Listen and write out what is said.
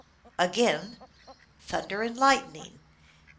Again :—'' Thunder and lightning.